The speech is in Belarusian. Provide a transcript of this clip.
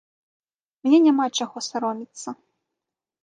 Мне няма чаго саромеецца.